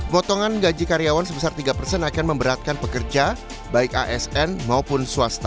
potongan gaji karyawan sebesar tiga persen akan memberatkan pekerja baik asn maupun swasta